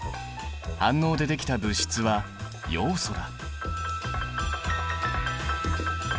反応でできた物質はヨウ素だ。